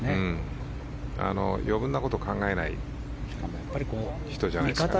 余分なことを考えない人じゃないですかね。